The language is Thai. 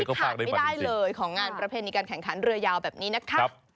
ขาดไม่ได้เลยของงานประเพณีการแข่งขันเรือยาวแบบนี้นะคะ